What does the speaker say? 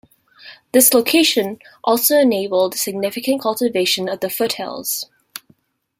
This location also enabled significant cultivation of the foothills.